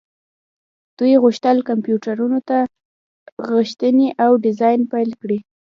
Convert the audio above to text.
دوی غوښتل کمپیوټرونو ته کښیني او ډیزاین پیل کړي